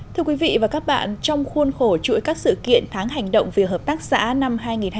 thưa quý vị và các bạn trong khuôn khổ chuỗi các sự kiện tháng hành động về hợp tác xã năm hai nghìn hai mươi bốn